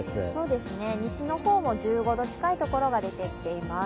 西の方も１５度近い所が出てきています。